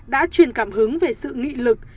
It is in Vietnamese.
đã truyền cảm hứng về sự nghị lực